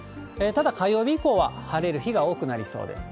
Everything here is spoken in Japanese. ただ、火曜日以降は晴れる日が多くなりそうです。